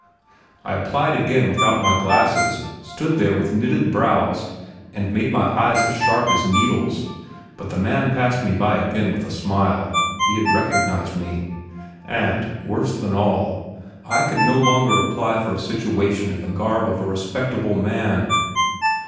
I applied again without my glasses, stood there with knitted brows, and made my eyes as sharp as needles, but the man passed me by again with a smile; he had recognized me. And, worse than all, I could no longer apply for a situation in the garb of a respectable man.